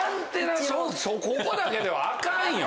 ここだけではアカンよ。